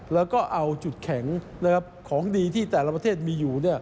แล้วก็เอาจุดแข็งของดีที่แต่ละประเทศมีอยู่